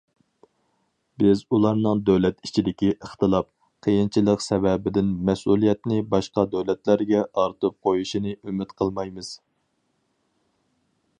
بىز ئۇلارنىڭ دۆلەت ئىچىدىكى ئىختىلاپ، قىيىنچىلىق سەۋەبىدىن مەسئۇلىيەتنى باشقا دۆلەتلەرگە ئارتىپ قويۇشىنى ئۈمىد قىلمايمىز.